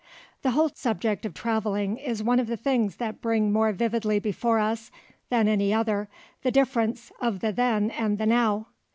The whole subject of travelling is one of the things that bring more vividly before us than any other the difference of the then and the now.